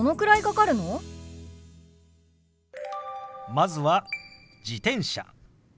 まずは「自転車」。